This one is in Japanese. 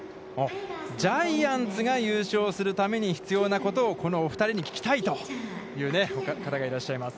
ジャイアンツが優勝するために必要なことこのお二人に聞きたいという方がいらっしゃいます。